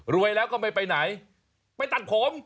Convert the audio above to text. แล้วก็ไม่ไปไหนไปตัดผม